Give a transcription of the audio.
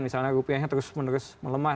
misalnya rupiahnya terus menerus melemah